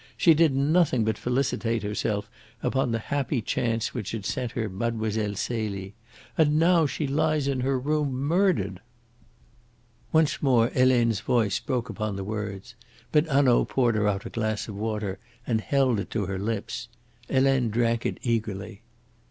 She did nothing but felicitate herself upon the happy chance which had sent her Mlle. Celie. And now she lies in her room murdered!" Once more Helene's voice broke upon the words. But Hanaud poured her out a glass of water and held it to her lips. Helene drank it eagerly.